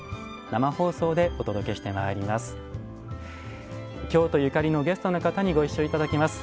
生放送でお届けしてまいります。